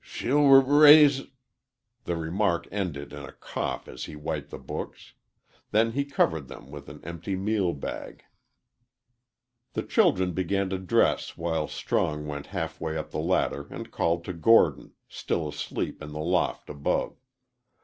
"She'll r raise " The remark ended in a cough as he wiped the books. Then he covered them with an empty meal bag. The children began to dress while Strong went half way up the ladder and called to Gordon, still asleep in the loft above.